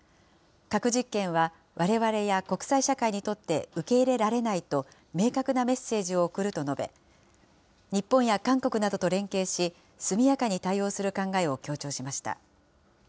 核実験はわれわれや国際社会にとって受け入れられないと、明確なメッセージを送ると述べ、日本や韓国などと連携し、速やかに対応する考えを強調しました。